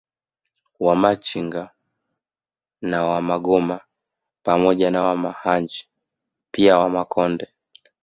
Wamachinga na Wamagoma pamoja na Wamahanji pia Wamakonde